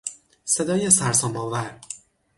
صدای سرسامآور